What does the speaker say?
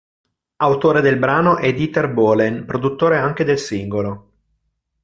Autore del brano è Dieter Bohlen, produttore anche del singolo.